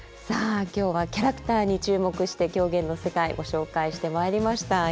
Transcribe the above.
さあ今日はキャラクターに注目して狂言の世界ご紹介してまいりました。